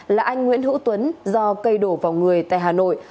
là anh nguyễn hữu tuấn do cây đổ vào người tại hà nội